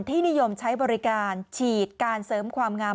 ที่นิยมใช้บริการฉีดการเสริมความงาม